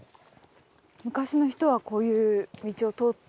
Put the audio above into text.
昔の人はこういう道を通って。